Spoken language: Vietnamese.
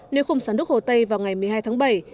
nếu không xả nước hồ tây vào ngày một mươi hai tháng bảy